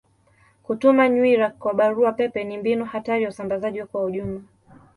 Kutuma nywila kwa barua pepe ni mbinu hatari ya usambazaji kwa ujumla.